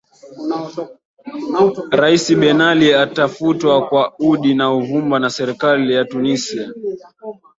rais benali atafutwa kwa udi na uvuma na serikali ya tunisia